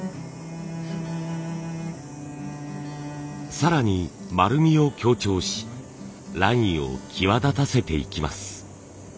更に丸みを強調しラインを際立たせていきます。